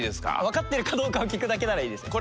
わかってるかどうかを聞くだけならいいですよ。